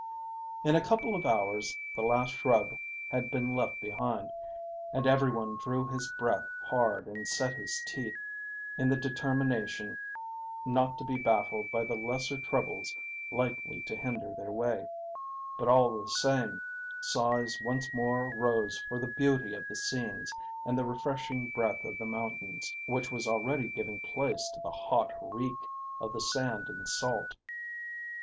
In a couple of hours the last shrub had been left behind, and every one drew his breath hard and set his teeth, in the determination not to be baffled by the lesser troubles likely to hinder their way; but all the same, sighs once more rose for the beauty of the scenes and the refreshing breath of the mountains, which was already rapidly giving place to the hot reek of the sand and salt.